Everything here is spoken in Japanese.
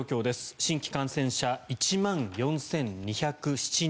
新規感染者、１万４２０７人。